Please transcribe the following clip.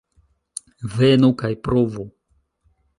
Venu kaj provu!